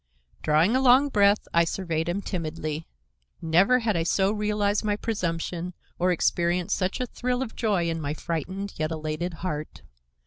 Drawing a long breath I surveyed him timidly. Never had I so realized my presumption or experienced such a thrill of joy in my frightened yet elated heart.